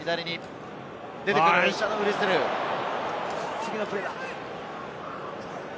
次のプレーだ！